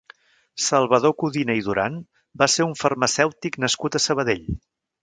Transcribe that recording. Salvador Codina i Duran va ser un farmacèutic nascut a Sabadell.